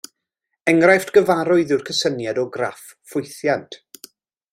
Enghraifft gyfarwydd yw'r cysyniad o graff ffwythiant.